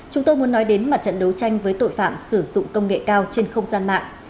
chúng tôi muốn nói đến mặt trận đấu tranh với tội phạm sử dụng công nghệ cao trên không gian mạng